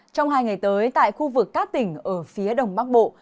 trong hai ngày tới tại khu vực cát tỉnh ở phía đồng bắc bộ